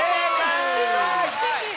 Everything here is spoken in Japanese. すごい！